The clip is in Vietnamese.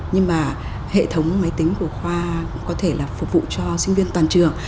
nhưng mà hệ thống máy tính của khoa cũng có thể là phục vụ cho sinh viên toàn trường